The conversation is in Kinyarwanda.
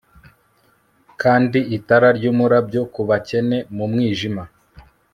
kandi itara ryumurabyo kubakene mu mwijima